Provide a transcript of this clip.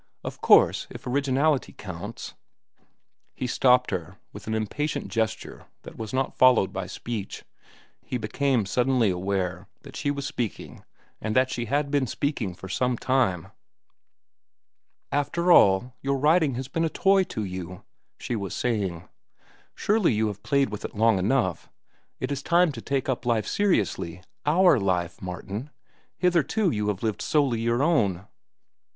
Of course, if originality counts—" He stopped her with an impatient gesture that was not followed by speech. He became suddenly aware that she was speaking and that she had been speaking for some time. "After all, your writing has been a toy to you," she was saying. "Surely you have played with it long enough. It is time to take up life seriously—our life, Martin. Hitherto you have lived solely your own."